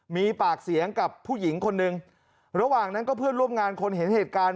มีปากเสียงกับผู้หญิงคนหนึ่งระหว่างนั้นก็เพื่อนร่วมงานคนเห็นเหตุการณ์